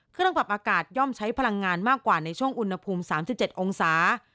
เครื่องปรับอากาศย่อมใช้พลังงานมากกว่าในช่วงอุณหภูมิ๓๗องศา